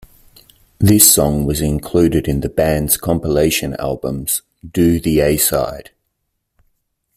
This song was included in the band's compilation albums "Do the A-side".